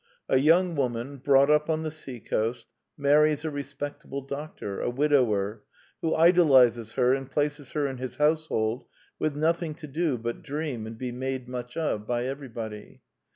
A young woman, brought up on the sea coast, marries a respectable doctor, a wid ower, who idolizes her and places her in his household with nothing to do but dream and be made much of by everybody.